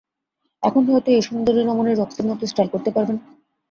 এখন হয়তো এই সুন্দরী রমণী রক্সির মতো স্টাইল করতে পারবেন।